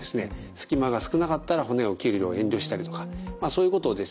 隙間が少なかったら骨を切る量を遠慮したりとかまあそういうことをですね